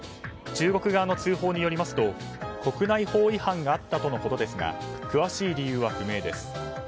中国側の通報によると国内法違反があったとのことですが詳しい理由は不明です。